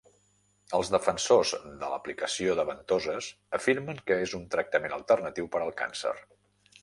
Els defensors de l'aplicació de ventoses afirmen que és un tractament alternatiu per al càncer.